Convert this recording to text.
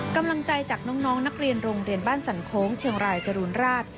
กำลังใจจากน้องนักเรียนโรงเรียนบ้านสันโค้งเชียงรายจรูนราช